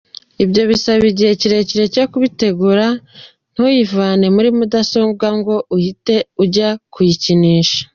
Ibyo bisaba igihe kirekire cyo kubitegura, ntuyivane muri mudasobwa ngo uhite ujya kuyikinisha.